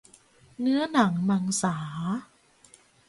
เนื้อหนังมังสา